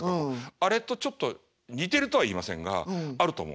あれとちょっと似てるとは言いませんがあると思う。